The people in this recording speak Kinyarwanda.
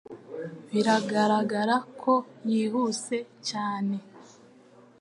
Biragaragara ko yihuse cyane